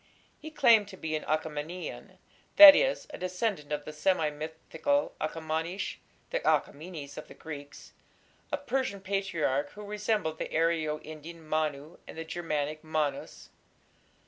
He claimed to be an Achaemenian that is a descendant of the semi mythical Akhamanish (the Achaemenes of the Greeks), a Persian patriarch who resembled the Aryo Indian Manu and the Germanic Mannus.